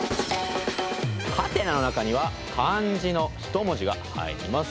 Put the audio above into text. はてなの中には漢字の一文字が入ります。